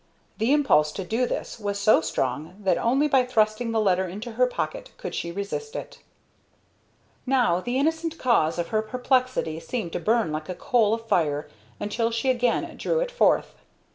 The impulse to do this was so strong that only by thrusting the letter into her pocket could she resist it. Now the innocent cause of her perplexity seemed to burn like a coal of fire until she again drew it forth.